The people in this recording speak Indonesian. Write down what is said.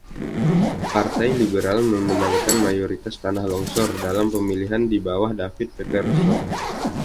Partai Liberal memenangkan mayoritas tanah longsor dalam pemilihan di bawah David Peterson.